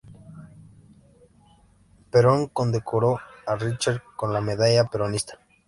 Perón condecoró a Richter con la Medalla Peronista.